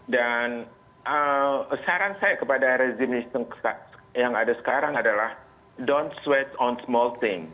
dan saran saya kepada rezimis yang ada sekarang adalah don't sweat on small things